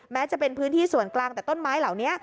แม้จะเป็นพื้นที่ส่วนกลางแต่ต้นไม้เหล่านี้